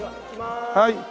はい。